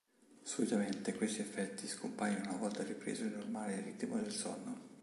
Solitamente questi effetti scompaiono una volta ripreso il normale ritmo del sonno.